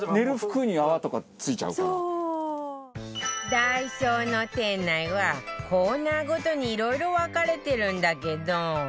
ダイソーの店内はコーナーごとにいろいろ分かれてるんだけど